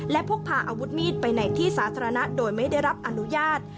และพกพาอาวุธมีดไปในที่สาธารณะโดยไม่ได้รับอนุญาต